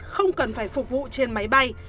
không cần phải phục vụ trên máy bay